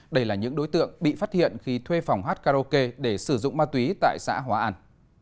đây là những đối tượng bị phát hiện khi thuê phòng hát karaoke để sử dụng ma túy tại xã hóa an